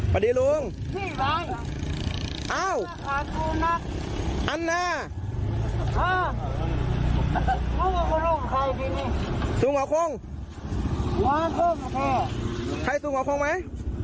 โปรดติดตามตอนต่อไป